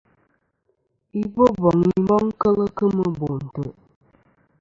I Boboŋ i boŋ kel kemɨ bò ntè'.